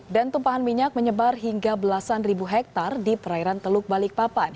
dan tumpahan minyak menyebar hingga belasan ribu hektare di perairan teluk balikpapan